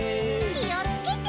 きをつけて。